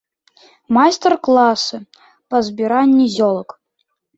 Майстар-класы па збіранні зёлак.